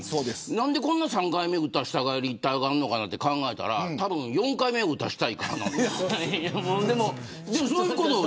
何で３回目打たせたがるのかなと考えたら多分、４回目を打たせたいからなんです。